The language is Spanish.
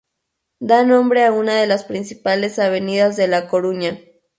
Da nombre a una de las principales Avenidas de La Coruña.